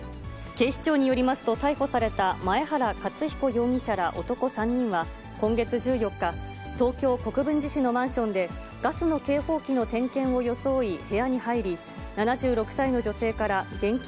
警視庁によりますと、逮捕された前原克彦容疑者ら男３人は、今月１４日、東京・国分寺市のマンションで、ガスの警報器の点検を装い部屋に入り、７６歳の女性から現金